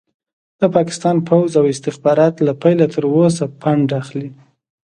د پاکستان پوځ او استخبارات له پيله تر اوسه فنډ اخلي.